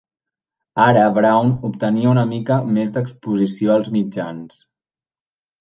Ara Brown obtenia una mica més d'exposició als mitjans.